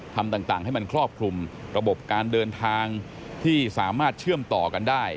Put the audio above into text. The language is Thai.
ทำต่างให้มันครอบคลุมระบบการเดินทางที่สามารถเชื่อมต่อกันได้